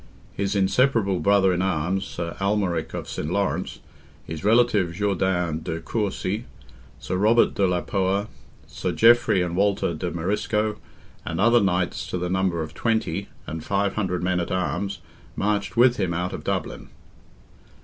His inseparable brother in arms, Sir Almaric of St. Laurence, his relative, Jourdain de Courcy, Sir Robert de la Poer, Sir Geoffrey and Walter de Marisco, and other Knights to the number of twenty, and five hundred men at arms, marched with him out of Dublin.